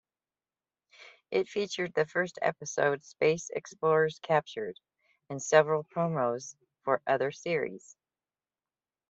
It featured the first episode, "Space Explorers Captured", and several promos for other series.